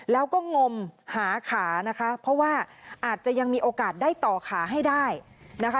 แล้วก็งมหาขานะคะเพราะว่าอาจจะยังมีโอกาสได้ต่อขาให้ได้นะคะ